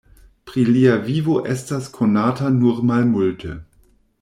Pri lia vivo estas konate nur malmulte.